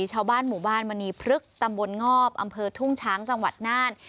ชาวบ้านหมู่บ้านมณีพฤกษตำบลงอบอำเภอทุ่งช้างจังหวัดน่าน